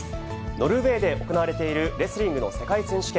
ノルウェーで行われているレスリングの世界選手権。